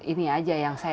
ini aja yang saya lihat